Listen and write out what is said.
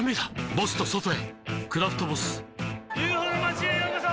ボスと外へ「クラフトボス」ＵＦＯの町へようこそ！